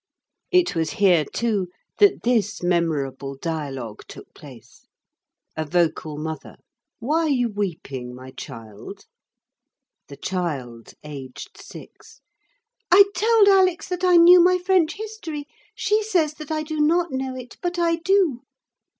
It was here, too, that this memorable dialogue took place:— A Vocal Mother. Why are you weeping, my child? The child (aged six). I told Alix that I knew my French history. She says that I do not know it, but I do.